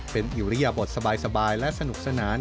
เป็นอิริยบทสบายและสนุกสนาน